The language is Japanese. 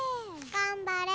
がんばれ！